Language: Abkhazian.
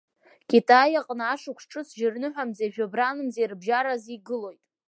Китаи аҟны ашықәс ҿыц жьырныҳәамзеи жәабранмзеи рыбжьара азы игылоит.